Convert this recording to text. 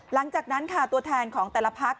หลังจากนั้นค่ะตัวแทนของแต่ละพัก